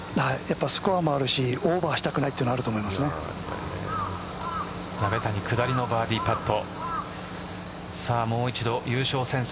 スコアもあるしオーバーしたくないというのは鍋谷下りのバーディーパット。